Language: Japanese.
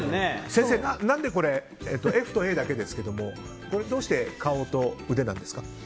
先生、何でこれＦとＡだけですけどもどうして顔と腕なんですか？